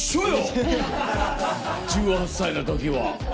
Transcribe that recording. １８歳の時は。